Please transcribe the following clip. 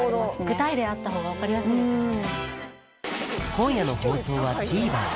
具体例あった方が分かりやすいですよね